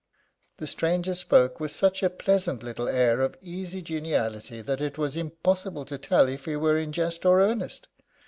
The stranger spoke with such a pleasant little air of easy geniality that it was impossible to tell if he were in jest or earnest.